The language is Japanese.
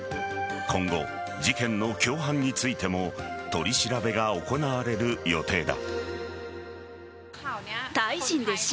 今後、事件の共犯についても取り調べが行われる予定だ。